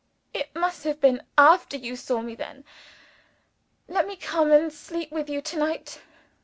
"It must have been after you saw me, then. Let me come and sleep with you to night.